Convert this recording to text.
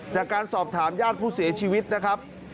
จากการสอบถามญาติผู้เสียชีวิตนะครับ